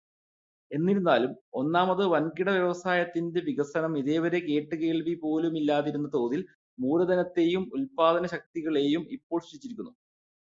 എന്നിരുന്നാലും ഒന്നാമത്, വൻകിടവ്യവസായത്തിന്റെ വികസനം ഇതേവരെ കേട്ടുകേൾവി പോലുമില്ലാതിരുന്ന തോതിൽ മൂലധനത്തേയും ഉല്പാദനശക്തികളേയും ഇപ്പോൾ സൃഷ്ടിച്ചിരിക്കുന്നു.